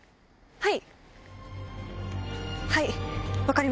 はい。